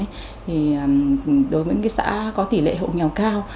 thì đối với những cái xã có tỷ lệ hộ nghèo cao